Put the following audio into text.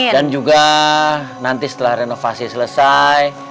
dan juga nanti setelah renovasi selesai